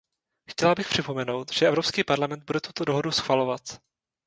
Chtěla bych připomenout, že Evropský parlament bude tuto dohodu schvalovat.